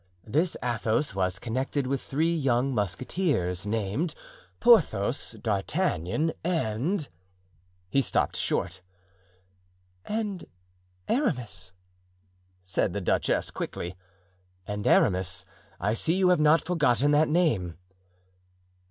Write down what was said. "This Athos was connected with three young musketeers, named Porthos, D'Artagnan, and——" He stopped short. "And Aramis," said the duchess, quickly. "And Aramis; I see you have not forgotten the name."